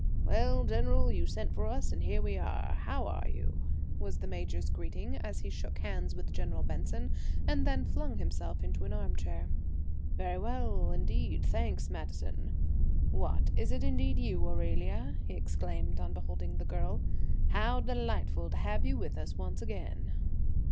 "Well, General, you sent for us and here we are. How are you?" was the major's greeting as he shook hands with General Benson and then flung himself into an arm chair. "Very well, indeed, thanks, Madison. What, is it indeed you, Aurelia?" he exclaimed on beholding the girl. "How delightful to have you with us once again!"